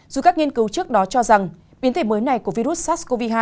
dù các nghiên cứu trước đó cho rằng biến thể mới này của virus sars cov hai